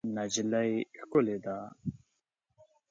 نجلۍ ښکلې ده.